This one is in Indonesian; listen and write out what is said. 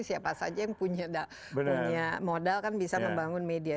siapa saja yang punya modal kan bisa membangun media